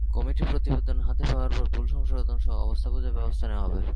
Committee প্রতিবেদন হাতে পাওয়া পর ভুল সংশোধনসহ অবস্থা বুঝে ব্যবস্থা নেওয়া হবে।